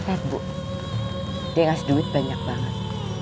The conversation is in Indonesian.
eh bu dia ngasih duit banyak banget